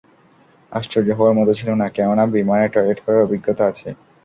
আশ্চর্য হওয়ার মতো ছিল না, কেননা বিমানে টয়লেট করার অভিজ্ঞতা আছে।